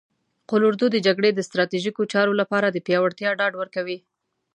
قول اردو د جګړې د ستراتیژیکو چارو لپاره د پیاوړتیا ډاډ ورکوي.